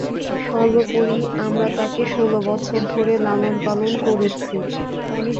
সর্বোপরি, আমরা তাকে ষোল বছর ধরে লালন-পালন করেছি।